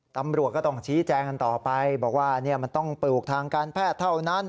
ตำรวจก็ต้องชี้แจงกันต่อไปบอกว่ามันต้องปลูกทางการแพทย์เท่านั้น